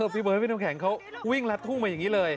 พี่เบอร์ทผู้ชมแข่งเค้าวิ่งรัดทุ่มมาอย่างนี้เลย